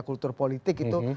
kulturnya politik itu